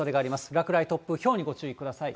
落雷、突風、ひょうにご注意ください。